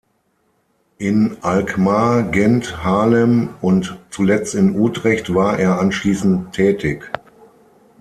In Alkmaar, Gent, Haarlem und zuletzt in Utrecht war er anschließend tätig.